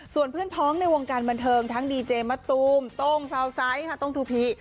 ส่วนเพื่อนพ้องในวงการบันเทิงทั้งดีเจมะตูมโต้งซาวไซส์ค่ะต้องทูพี